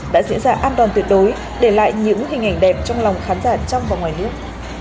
đã diễn ra an toàn tuyệt đối để lại những hình ảnh đẹp trong lòng khán giả trong và ngoài nước